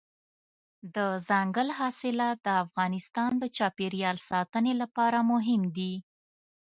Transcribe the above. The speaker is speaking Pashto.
دځنګل حاصلات د افغانستان د چاپیریال ساتنې لپاره مهم دي.